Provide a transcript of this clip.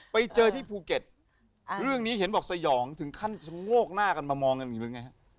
ไปเจอที่ภูเก็ตเรื่องนี้เห็นบอกสยองถึงขั้นชะโงกหน้ากันมามองกันอีกหรือไงฮะ